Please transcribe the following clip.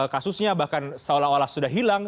kasusnya bahkan seolah olah sudah hilang